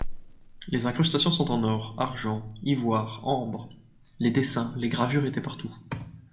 Les incrustations sont en or, argent, ivoire, ambre… Les dessins, les gravures étaient partout.